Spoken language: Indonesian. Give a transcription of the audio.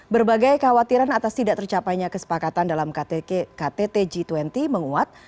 berbagai kekhawatiran atas tidak tercapainya kesepakatan dalam ktt g dua puluh menguat